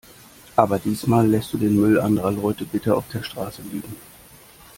Aber diesmal lässt du den Müll anderer Leute bitte auf der Straße liegen.